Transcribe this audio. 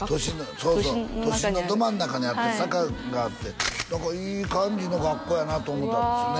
そうそう都心のど真ん中にあって坂があっていい感じの学校やなと思うたんですよね